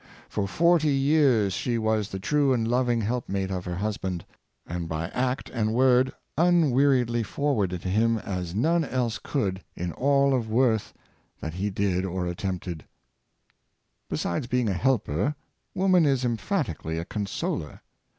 For forty years she Woman as a Consoler, 579 was the true and loving helpmate of her husband, and by act and word unweariedly forwarded him as none else could in all of worth that he did or attempted.'' Besides being a helper, woman is emphatically a consoler.